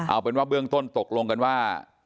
เอาเป็นว่าเบื้องต้นตกลงกันว่า